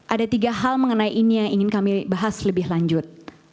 ada tiga hal mengenai ini yang ingin kami bahas lebih lanjut